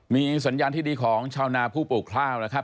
มีสัญญาณที่ดีของชาวนาผู้ปลูกข้าวนะครับ